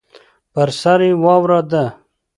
پر سر یې واوره ده.